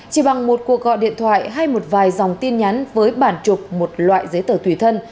chỉ bằng một cuộc gọi điện thoại hay một vài dòng tin nhắn với bản trục một loại giấy tờ tùy thân